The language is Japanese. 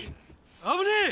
危ねえ！